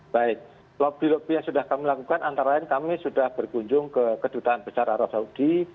baik lobby lobby yang sudah kami lakukan antara lain kami sudah berkunjung ke kedutaan besar arab saudi